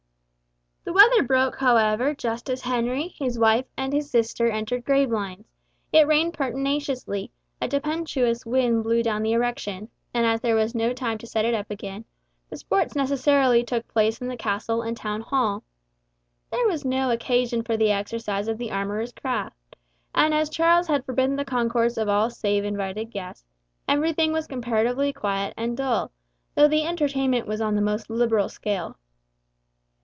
The weather broke however just as Henry, his wife and his sister, entered Gravelines; it rained pertinaciously, a tempestuous wind blew down the erection, and as there was no time to set it up again, the sports necessarily took place in the castle and town hall. There was no occasion for the exercise of the armourer's craft, and as Charles had forbidden the concourse of all save invited guests, everything was comparatively quiet and dull, though the entertainment was on the most liberal scale.